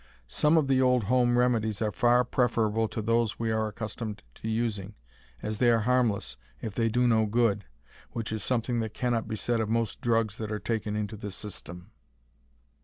Some of the old home remedies are far preferable to those we are accustomed to using, as they are harmless, if they do no good, which is something that cannot be said of most drugs that are taken into the system.